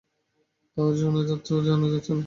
তাও তো জানা যাচ্ছে না।